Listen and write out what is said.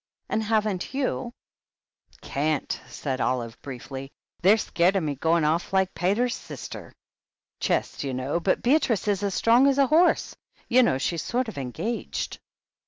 And haven't you ?" Can't," said Olive briefly. "They're scared of me going off like the pater's sister. Chest, you know. Bijt Beatrice is as strong as a horse. You know she's sort of engaged?"